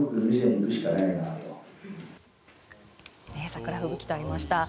桜吹雪とありました。